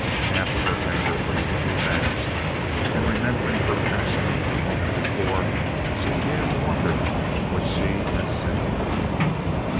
Half of her anger instantly vanished and remembering her passion of the moment before, she began to wonder what she had said.